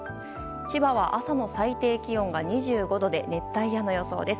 千葉は朝の最低気温が２５度で熱帯夜の予想です。